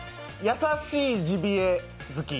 優しいジビエ好き。